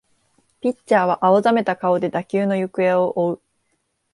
ピッチャーは青ざめた顔で打球の行方を追う